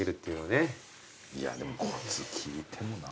いやでもコツ聞いてもな。